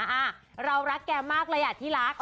อ่ะเรารักแกมากระยะที่รัก